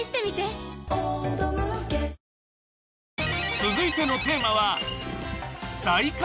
［続いてのテーマは］